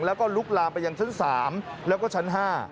แล้วก็ลุกลามไปยังชั้น๓แล้วก็ชั้น๕